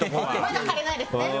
まだ張れないですね。